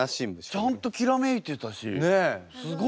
ちゃんときらめいてたしすごい。